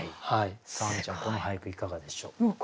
亜美ちゃんこの俳句いかがでしょうか？